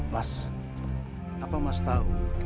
mas apa mas tahu